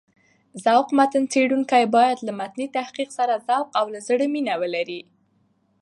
ذوق متن څېړونکی باید له متني تحقيق سره ذوق او له زړه مينه ولري.